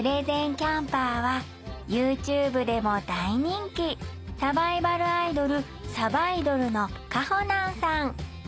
キャンパーはＹｏｕＴｕｂｅでも大人気サバイバルアイドル「さばいどる」のかほなんさん